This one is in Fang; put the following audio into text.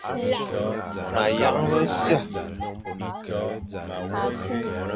Meyañ mʼasia,